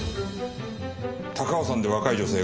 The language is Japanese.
高尾山で若い女性が？